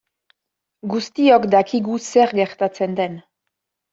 Guztiok dakigu zer gertatzen den.